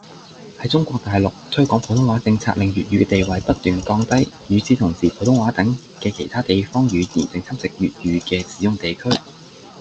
喺中國大陸，推廣普通話政策令粵語嘅地位不斷降低，與此同時普通話等嘅其他地方語言正侵蝕粵語嘅使用地區